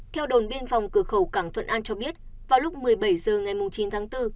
theo đồn biên phòng cửa khẩu cảng thuận an cho biết vào lúc một mươi bảy h ngày chín tháng bốn